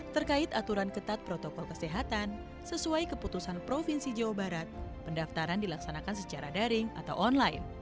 terkait aturan ketat protokol kesehatan sesuai keputusan provinsi jawa barat pendaftaran dilaksanakan secara daring atau online